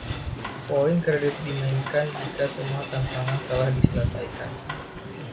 Poin kredit dimainkan jika semua tantangan telah diselesaikan.